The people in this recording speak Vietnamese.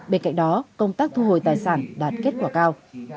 bên cạnh đó công tác thu hồi tài sản đạt kết quả cao